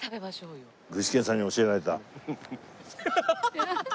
具志堅さんに教えられた。